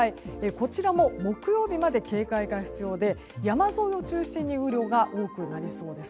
こちらも木曜日まで警戒が必要で山沿いを中心に雨量が多くなりそうです。